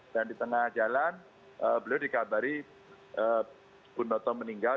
dan di tengah jalan beliau dikabari bu noto meninggal